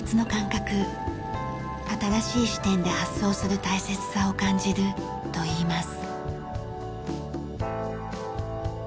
新しい視点で発想する大切さを感じるといいます。